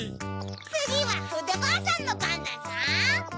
つぎはふでばあさんのばんだゾウ！